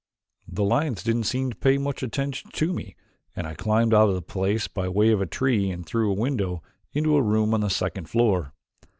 "The lions didn't seem to pay much attention to me and I climbed out of the place by way of a tree and through a window into a room on the second floor.